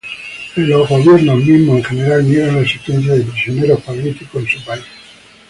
Los gobiernos mismos en general niegan la existencia de prisioneros políticos en su país.